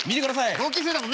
同級生だもんね。